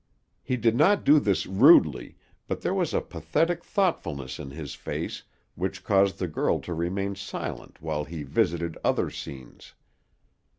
He did not do this rudely, but there was a pathetic thoughtfulness in his face which caused the girl to remain silent while he visited other scenes.